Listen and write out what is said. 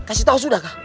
kasih tau sudah kak